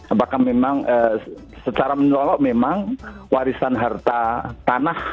apakah memang secara menyolok memang warisan harta tanah